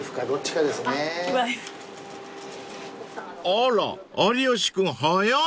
［あら有吉君早い］